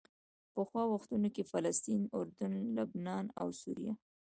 پخوا وختونو کې فلسطین، اردن، لبنان او سوریه.